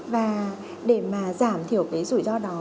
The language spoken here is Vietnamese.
và để mà giảm thiểu cái rủi ro đó